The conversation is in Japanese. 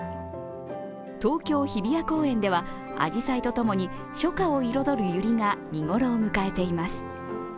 東京・日比谷公園ではあじさいとともに、初夏を彩るゆりが見頃を迎えています。